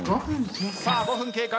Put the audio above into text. さあ５分経過。